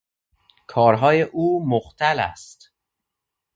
کارهای او مختل است.